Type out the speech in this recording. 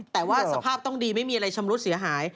แต่ว่าสภาพต้องดีไม่มีอะไรชำรุดเสียหาย